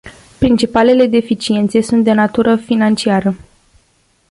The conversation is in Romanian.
Principalele deficiențe sunt de natură financiară.